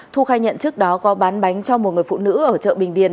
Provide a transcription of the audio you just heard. thu khai nhận trước đó có bán bánh cho một người phụ nữ ở chợ bình điền